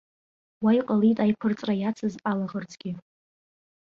Уа иҟалеит аиԥырҵра иацыз алаӷырӡгьы.